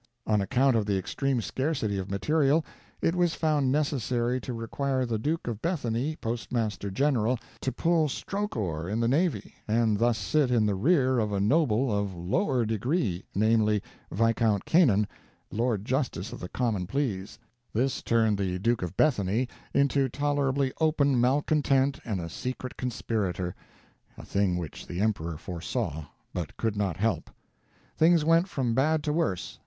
On account of the extreme scarcity of material, it was found necessary to require the Duke of Bethany postmaster general, to pull stroke oar in the navy and thus sit in the rear of a noble of lower degree namely, Viscount Canaan, lord justice of the common pleas. This turned the Duke of Bethany into tolerably open malcontent and a secret conspirator a thing which the emperor foresaw, but could not help. Things went from bad to worse.